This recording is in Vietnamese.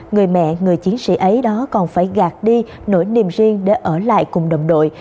người mẹ người chiến sĩ ấy đó còn phải gạt đi nỗi niềm riêng để ở lại cùng đồng đội